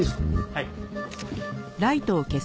はい。